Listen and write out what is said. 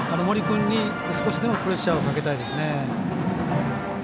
森君に少しでもプレッシャーをかけたいですね。